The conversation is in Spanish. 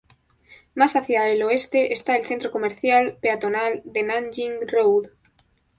Más hacia el oeste está el centro comercial peatonal de Nanjing Road.